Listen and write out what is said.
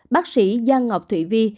bác sĩ giang ngọc thụy vi